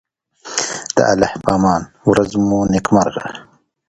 The town is located in Angleton Independent School District.